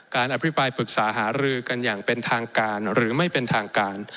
อภิปรายปรึกษาหารือกันอย่างเป็นทางการหรือไม่เป็นทางการ